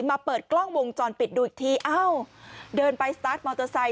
มาเปิดกล้องวงจรปิดดูอีกทีอ้าวเดินไปสตาร์ทมอเตอร์ไซค